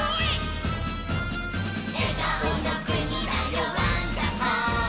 「えがおのくにだよワンダホー」